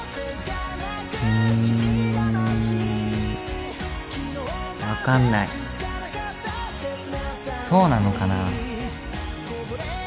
うん分かんないそうなのかな？